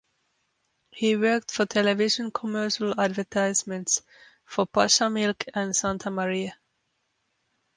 He worked for television commercial advertisements for Pascha milk and Santa Maria.